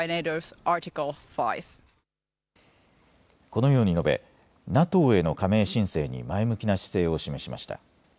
このように述べ、ＮＡＴＯへの加盟申請に前向きな姿勢を示しました。